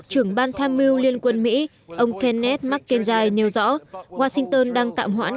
trưởng ban tham mưu liên quân mỹ ông kenneth mckenzie nêu rõ washington đang tạm hoãn